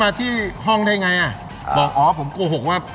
ที่ห้องได้ไงอ่ะบอกอ๋อผมโกหกว่า